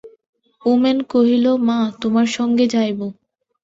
উমেশ কহিল, মা, তোমার সঙ্গে যাইব।